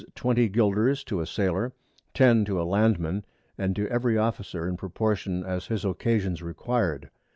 _ 20 Guilders to a Sailor, 10 to a Land man, and to every Officer in Proportion as his Occasions requir'd.